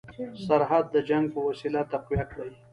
سرحد د جنګ په وسیله تقویه کړي.